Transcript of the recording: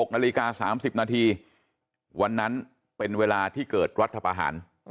๖นาฬิกา๓๐นาทีวันนั้นเป็นเวลาที่เกิดรัฐประหาร